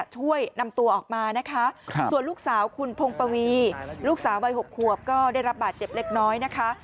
ช่วยนำตัวออกมานะคะส่วนลูกสาวคุณพงปวีลูกสาววัย๖ขวบก็ได้รับบาดเจ็บเล็กน้อยนะคะ